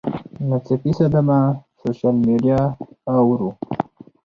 ناڅاپي صدمه ، سوشل میډیا اوور